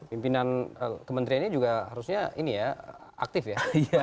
pimpinan kementerian ini juga harusnya ini ya aktif ya